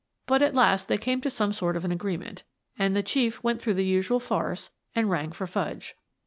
But at last they came to some sort of an agreement, and the Chief went through the usual farce and rang for Fudge.